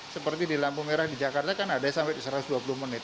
seperti di lampu merah di jakarta kan ada sampai satu ratus dua puluh menit